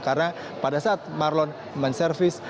karena pada saat marlon menservis minuman